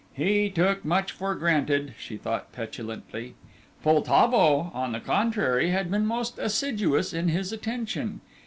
He took much for granted, she thought petulantly. Poltavo, on the contrary, had been most assiduous in his attention.